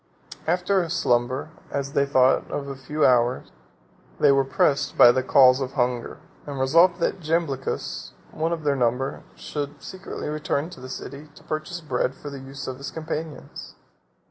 After a slumber, as they thought of a few hours, they were pressed by the calls of hunger; and resolved that Jamblichus, one of their number, should secretly return to the city to purchase bread for the use of his companions.